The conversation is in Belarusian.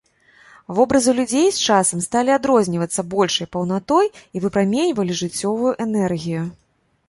Вобразы людзей з часам сталі адрознівацца большай паўнатой і выпраменьвалі жыццёвую энергію.